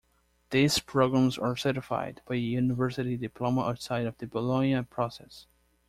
These programs are certified by a university diploma outside of the Bologna Process.